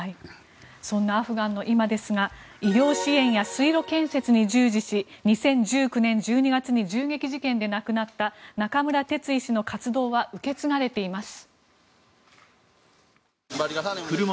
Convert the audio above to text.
そんなアフガンの今ですが医療支援や水路建設に従事し２０１９年１２月に銃撃事件で亡くなった中村哲医師の活動は受け継がれています。